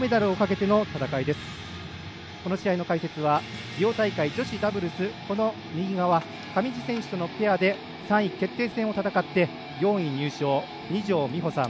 この試合の解説はリオ大会女子ダブルスこの上地選手とのペアで３位決定戦を戦って４位入賞、二條実穂さん。